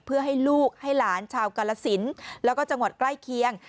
เพื่อให้ลูกให้หลานชาวกาลสินแล้วก็จังหวัดใกล้เคียง